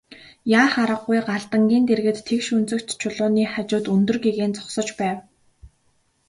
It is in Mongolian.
Яах аргагүй Галдангийн дэргэд тэгш өнцөгт чулууны хажууд өндөр гэгээн зогсож байв.